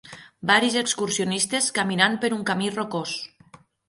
Varis excursionistes caminant per un camí rocós.